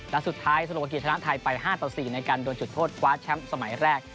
และสุดท้ายสุโลกีชนะไทยไป๕ต่อ๔ในการโดนจุดโทษคว้าแชมป์สมัยแรก